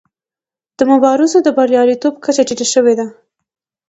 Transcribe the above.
د مبارزو د بریالیتوب کچه ټیټه شوې.